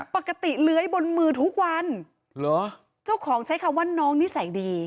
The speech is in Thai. ปกติเลื้อยบนมือทุกวันเหรอเจ้าของใช้คำว่าน้องนิสัยดี